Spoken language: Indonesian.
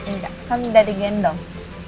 nggak kan udah digendong